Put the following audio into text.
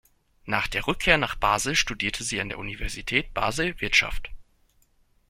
Nach der Rückkehr nach Basel studierte sie an der Universität Basel Wirtschaft.